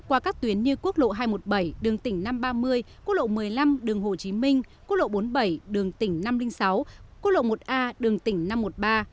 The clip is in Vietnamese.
qua các tuyến như quốc lộ hai trăm một mươi bảy đường tỉnh năm trăm ba mươi quốc lộ một mươi năm đường hồ chí minh quốc lộ bốn mươi bảy đường tỉnh năm trăm linh sáu quốc lộ một a đường tỉnh năm trăm một mươi ba